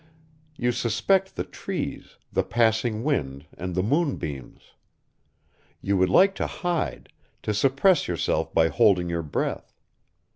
You suspect the trees, the passing wind and the moonbeams. You would like to hide, to suppress yourself by holding your breath.